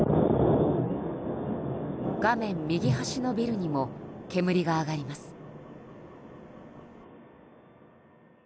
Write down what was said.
画面右端のビルにも煙が上がります。